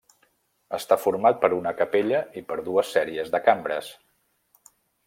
Està format per una capella i per dues sèries de cambres.